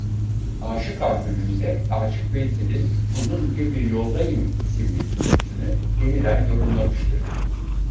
Aşık albümünde Aşık Veysel'in "Uzun İnce Bir Yoldayım" isimli türküsünü yeniden yorumlamıştır.